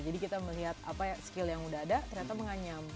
jadi kita melihat apa skill yang udah ada ternyata menganyam